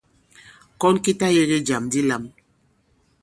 Kɔn ki ta yege jàm di lām.